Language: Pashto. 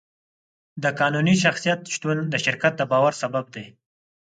د قانوني شخصیت شتون د شرکت د باور سبب دی.